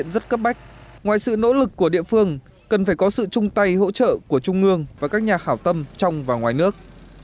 ngoài sự nỗ lực của địa phương cần phải có sự chung tay hỗ trợ của trung ương và các nhà khảo tâm trong và ngoài nước